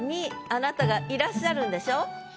あなたがいらっしゃるんでしょ？